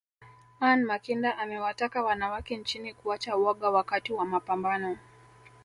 Anne Makinda amewataka wanawake nchini kuacha woga wakati wa mapambano